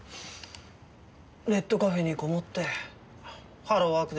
ネットカフェにこもってハローワークで職探しですか。